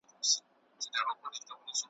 هر لحد يې افتخاردی ,